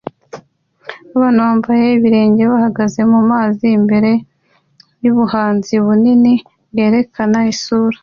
Abantu bambaye ibirenge bahagaze mumazi imbere yubuhanzi bunini bwerekana isura